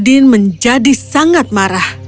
odin menjadi sangat marah